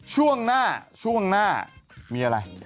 ช่วงหน้าช่วงหน้ามีอะไร